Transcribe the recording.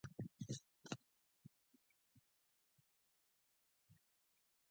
Which despite the increase in university coverage does not finance this increase in coverage.